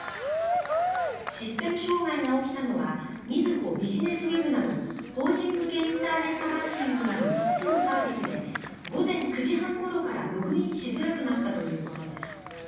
システム障害が起きたのは「みずほビジネスＷＥＢ」など法人向けインターネットバンキングなど５つのサービスで午前９時半ごろからログインしづらくなったということです。